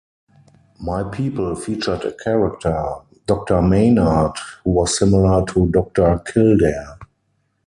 "My People" featured a character, "Doctor Maynard", who was similar to Doctor Kildare.